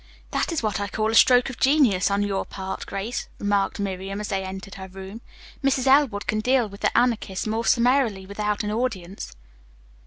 "That is what I call a stroke of genius on your part, Grace," remarked Miriam, as they entered her room. "Mrs. Elwood can deal with the Anarchist more summarily without an audience."